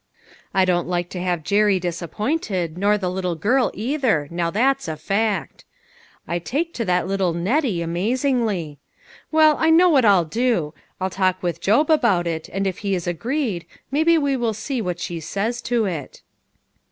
I don't like to have Jerry disappointed, nor the little girl either, now that's a fact. I take to that little Nettie amazingly. Well, I know what I'll do. I'll talk with Job about it, and if he is agreed, maybe we will see what she says to it."